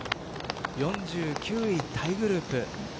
４９位タイグループ。